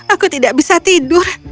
aku tidak bisa tidur